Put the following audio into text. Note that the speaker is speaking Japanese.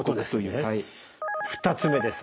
２つ目です。